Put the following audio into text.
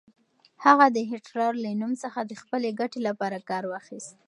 هغه د هېټلر له نوم څخه د خپلې ګټې لپاره کار واخيست.